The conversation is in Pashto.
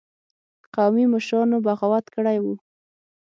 قومي مشرانو بغاوت کړی وو.